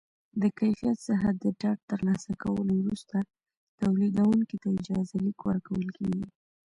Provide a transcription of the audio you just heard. له کیفیت څخه د ډاډ ترلاسه کولو وروسته تولیدوونکي ته اجازه لیک ورکول کېږي.